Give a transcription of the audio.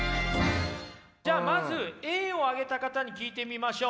じゃあまずＡをあげた方に聞いてみましょう。